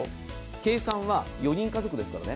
計算は４人家族ですからね。